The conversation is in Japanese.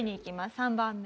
３番目。